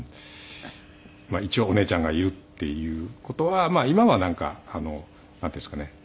一応お姉ちゃんがいるっていう事は今はなんかなんていうんですかね。